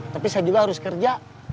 tapi saya juga harus kerja